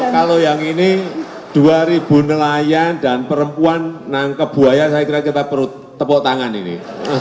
kalau yang ini dua ribu nelayan dan perempuan nangkep buaya saya kira kita perut tepuk tangan ini